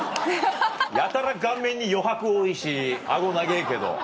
やたら顔面に余白多いし顎長ぇけど。